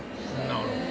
なるほど。